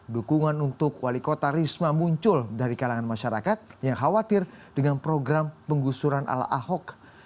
dukungan untuk wali kota risma muncul dari kalangan masyarakat yang khawatir dengan program penggusuran ala ahok